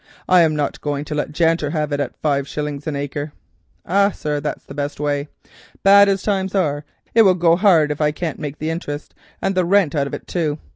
I am not going to let Janter have it at five shillings an acre." "Ah, sir, that's the best way. Bad as times be, it will go hard if I can't make the interest and the rent out of it too.